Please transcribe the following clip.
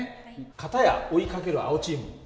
片や追いかける青チーム。